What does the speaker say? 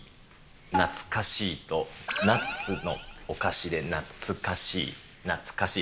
なつかしいと、ナッツのお菓子で、ナッツかしい、なつかしい。